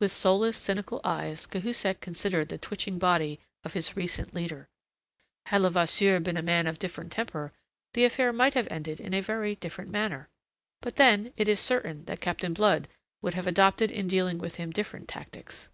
With soulless, cynical eyes Cahusac considered the twitching body of his recent leader. Had Levasseur been a man of different temper, the affair might have ended in a very different manner. But, then, it is certain that Captain Blood would have adopted in dealing with him different tactics.